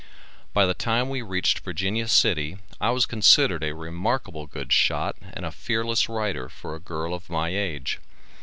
By the time we reached Virginia City I was considered a remarkable good shot and a fearless rider for a girl of my age.